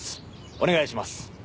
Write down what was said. お願いします。